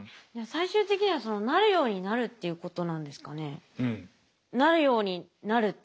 最終的にはなるようになるっていうことなんですかね？